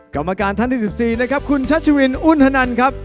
กรรมการท่านที่๑๔นะครับคุณชัชวินอุ้นธนันครับ